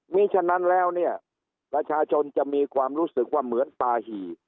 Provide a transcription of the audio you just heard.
มีฉะนั้นแล้วเนี่ยประชาชนจะมีความรู้สึกว่าเหมือนปาหี่